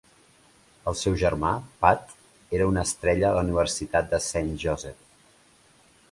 El seu germà, Pat, era una estrella a la Universitat de Saint Joseph.